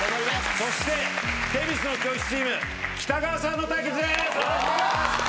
そして女神の教室チーム北川さんの対決です！